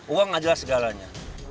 uang adalah segalanya